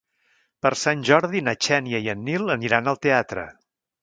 Per Sant Jordi na Xènia i en Nil aniran al teatre.